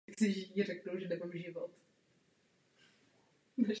Celý poloostrov patří do indonéské provincie Západní Papua.